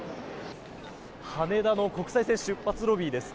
羽田の国際線出発ロビーです。